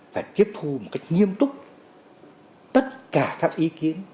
phải tiếp thu một cách nghiêm túc tất cả các ý kiến